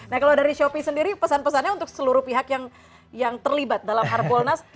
nah kalau dari shopee sendiri pesan pesannya untuk seluruh pihak yang terlibat dalam harbolnas